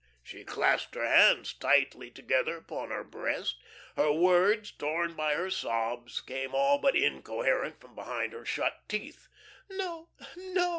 She clasped her hands tight together upon her breast; her words, torn by her sobs, came all but incoherent from behind her shut teeth. "No, no!"